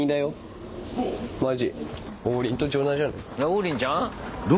王林ちゃん？